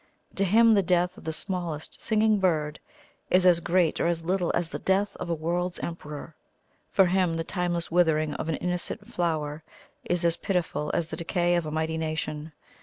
To Him the death of the smallest singing bird is as great or as little as the death of a world's emperor. For Him the timeless withering of an innocent flower is as pitiful as the decay of a mighty nation.